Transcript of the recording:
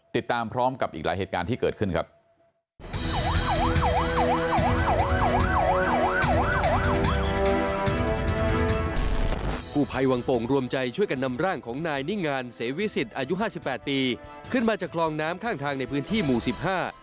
ติดตามพร้อมกับอีกหลายเหตุการณ์ที่เกิดขึ้นครับ